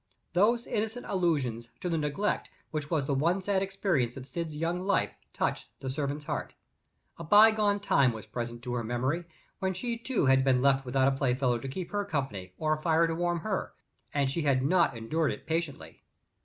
Those innocent allusions to the neglect which was the one sad experience of Syd's young life touched the servant's heart. A bygone time was present to her memory, when she too had been left without a playfellow to keep her company or a fire to warm her, and she had not endured it patiently.